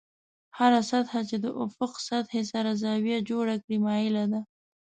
هره سطحه چې د افق سطحې سره زاویه جوړه کړي مایله ده.